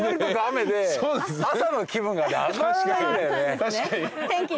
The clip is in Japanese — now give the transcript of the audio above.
確かに。